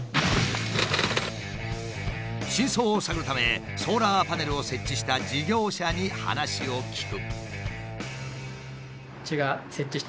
真相を探るためソーラーパネルを設置した事業者に話を聞く。